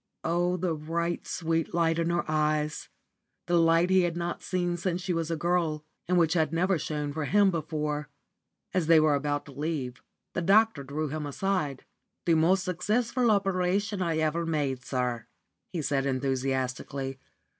Oh, the bright, sweet light in her eyes! the light he had not seen since she was a girl, and which had never shone for him before. As they were about to leave, the doctor drew him aside. "The most successful operation I ever made, sir," he said, enthusiastically.